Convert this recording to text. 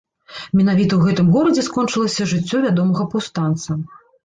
Менавіта ў гэтым горадзе скончылася жыццё вядомага паўстанца.